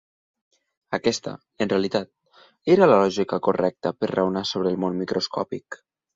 Aquesta, en realitat, era la lògica correcta per raonar sobre el món microscòpic.